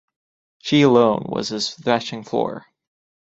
She alone was his threshing-floor.